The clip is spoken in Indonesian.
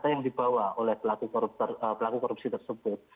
yang dibawa oleh pelaku korupsi tersebut